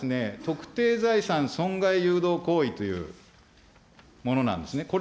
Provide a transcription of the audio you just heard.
この肝は、特定財産損害誘導行為というものなんですね。